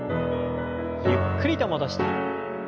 ゆっくりと戻して。